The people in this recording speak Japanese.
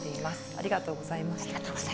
ありがとうございます。